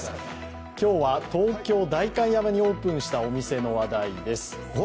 今日は、東京・代官山にオープンしたお店の話題です。